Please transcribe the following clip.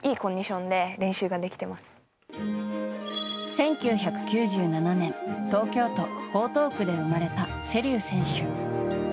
１９９７年東京都江東区で生まれた瀬立選手。